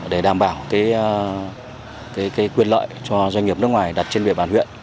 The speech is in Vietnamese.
để đảm bảo quyền lợi cho doanh nghiệp nước ngoài đặt trên địa bàn huyện